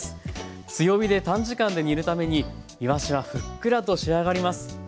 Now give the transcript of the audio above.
強火で短時間で煮るためにいわしはふっくらと仕上がります。